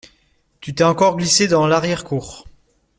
Tu t’es encore glissé dans l’arrière-cour.